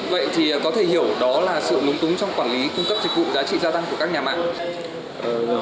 vậy thì có thể hiểu đó là sự lúng túng trong quản lý cung cấp dịch vụ giá trị gia tăng của các nhà mạng